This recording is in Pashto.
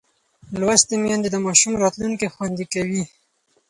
لوستې میندې د ماشوم راتلونکی خوندي کوي.